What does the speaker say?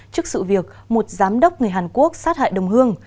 trước sự việc một giám đốc người hàn quốc sát hại đồng hương